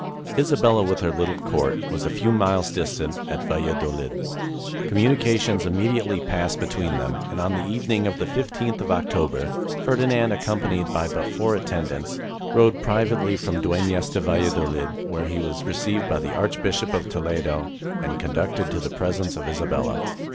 Isabella, with her little court, was a few miles distant, at Valladolid. Communications immediately passed be tween them, and on the evening of the 15th of Octo ber, Ferdinand, accompanied by but four attendants, 456 ELOPEMENT OF FERDINAND AND ISABELLA rode privately from Duenas to Valladolid, where he was received by the Archbishop of Toledo and conducted to the presence of Isabella.